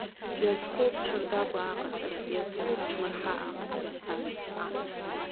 Иазхоуп ҽырдагәа аҟаҵара, иазхоуп ҽмырҳа аҟаҵара, сан!